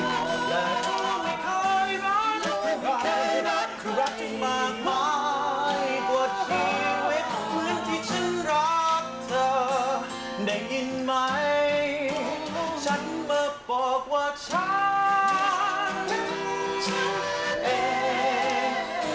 ก่อนฉันจะไปทำร้ายใครจะบอกว่าฉันเอง